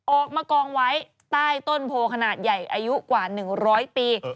ออกมากองไว้ใต้ต้นโพขนาดใหญ่อายุกว่า๑๐๐ปี